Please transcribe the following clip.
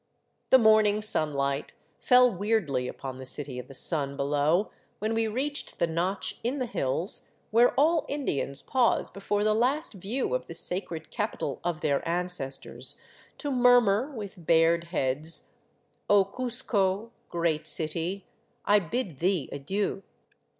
The morning sunlight fell weirdly upon the City of the Sun below when we reached the notch in the hills where all Indians pause before the last view of the sacred capital of their ancestors to murmur, with bared heads, " O Cuzco, Great City, I bid thee adieu